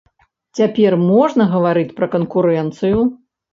Цяпер можна гаварыць пра канкурэнцыю?